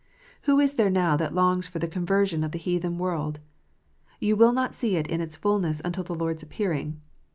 Who is there now that longs for the conversion of the heathen world? You will not see it in its fulness until the Lord s appearing.